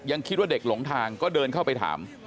คิดว่าเด็กหลงทางก็เดินเข้าไปถาม